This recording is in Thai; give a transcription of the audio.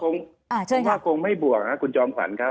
ผมว่าคงไม่บวกคุณจอมขวัญครับ